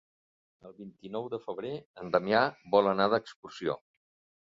El vint-i-nou de febrer en Damià vol anar d'excursió.